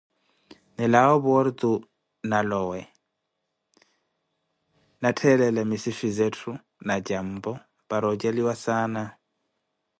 nilawe opoorto, na lowe, naatthalele misifi zettho na jampo para ojeliwa saana.